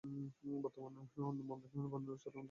বর্তমানে ণ বর্ণের উচ্চারণ দন্ত ন ধ্বনির সমান।